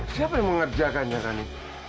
siapa yang mengerjakannya khani